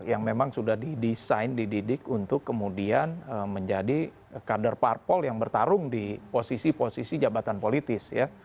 yang memang sudah didesain dididik untuk kemudian menjadi kader parpol yang bertarung di posisi posisi jabatan politis ya